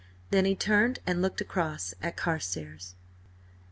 Then he turned and looked across at Carstares.